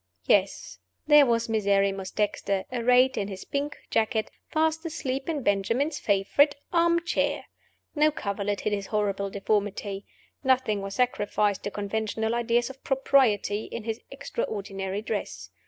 Yes, there was Miserrimus Dexter, arrayed in his pink jacket, fast asleep in Benjamin's favorite arm chair! No coverlet hid his horrible deformity. Nothing was sacrificed to conventional ideas of propriety in his extraordinary dress.